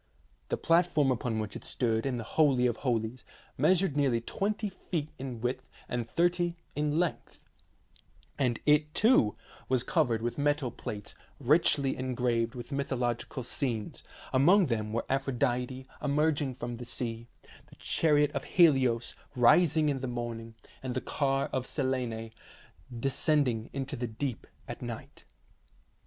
The platform upon which it stood in the holy of holies measured nearly twenty feet in width and thirty in length, and it, too, was covered with metal plates richly engraved with mythological scenes; among them were Aphrodite emerging from the sea, the chariot of Helios rising in the morning, and the car of Selene descending into the deep at night.